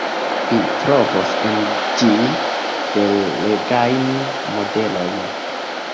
Vi trovos en ĝi belegajn modelojn.